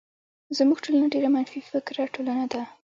زمونږ ټولنه ډيره منفی فکره ټولنه ده.